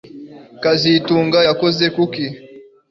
kazitunga yakoze kuki